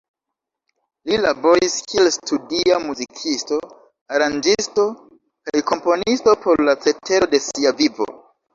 Li laboris kiel studia muzikisto, aranĝisto, kaj komponisto por la cetero de sia vivo.